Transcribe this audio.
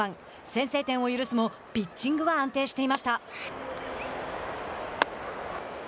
先制点を許すもピッチングは安定していました。